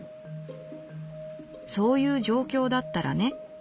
『そういう状況だったらね』」。